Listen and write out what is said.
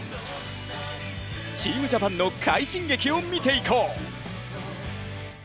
チームジャパンの快進撃を見ていこう。